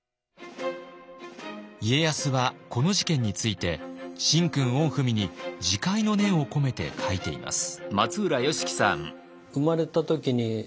家康はこの事件について「神君御文」に自戒の念を込めて書いています。